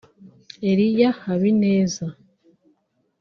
Elia Habineza